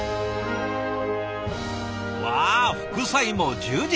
わあ副菜も充実。